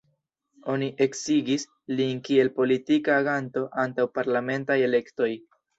Oni eksigis lin kiel politika aganto antaŭ parlamentaj elektoj.